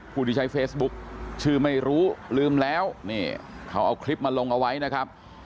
ผู้ที่ใช้เฟซบุ๊คชื่อไม่รู้ลืมแล้วนี่เขาเอาคลิปมาลงเอาไว้นะครับ